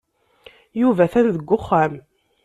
Yuba atan deg uxxam.